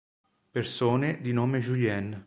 Persone di nome Julien